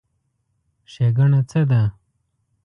ښېګڼه څه ده؟